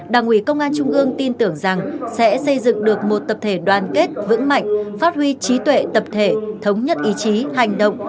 đảng ủy công an trung ương tin tưởng rằng sẽ xây dựng được một tập thể đoàn kết vững mạnh phát huy trí tuệ tập thể thống nhất ý chí hành động